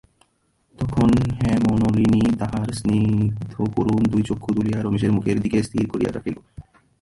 তখন হেমনলিনী তাহার সিনগ্ধকরুণ দুই চক্ষু তুলিয়া রমেশের মুখের দিকে স্থির করিয়া রাখিল।